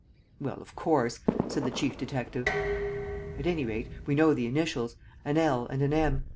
"Well, of course!" said the chief detective. "At any rate, we know the initials: an L and an M.